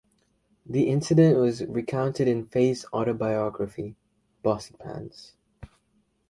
The incident was recounted in Fey's autobiography, Bossypants.